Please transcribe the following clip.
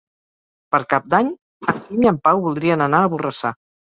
Per Cap d'Any en Quim i en Pau voldrien anar a Borrassà.